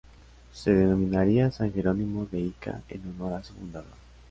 Se denominaría San Jerónimo de Ica en honor a su fundador.